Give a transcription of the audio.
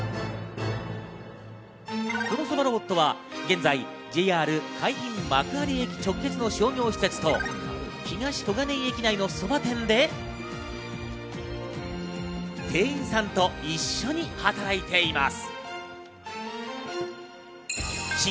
このそばロボットは現在、ＪＲ海浜幕張駅直結の商業施設と東小金井駅内のそば店で店員さんと一緒に働いています。